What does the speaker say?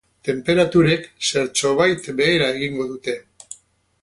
Tenperaturek zertxobait behera egingo dute.